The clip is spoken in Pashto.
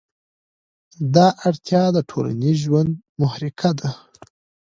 دا اړتیا د ټولنیز ژوند محرکه ده.